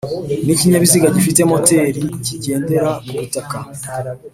N’ikinyabiziga gifite moteri kigendera ku butaka